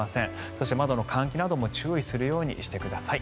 そして窓の換気なども注意してください。